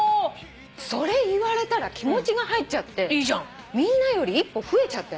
それ言われたら気持ちが入っちゃってみんなより一歩増えちゃったよ